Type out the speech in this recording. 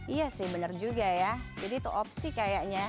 iya sih benar juga ya jadi itu opsi kayaknya